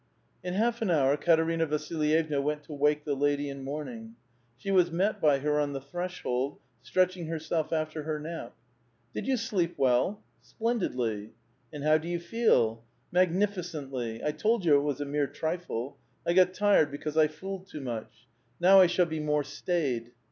In half an hour Eaterina Vasilyevna went to wake the lady in mourning. She was met by her on the threshold, stretching herself after her nap. *' Did vou sleep well? "'' Splendidly." "And how do you feel?" '* Magnificently. I told you it was a mere trifle; I got tired because I fooled too much. Now I shall be more staid."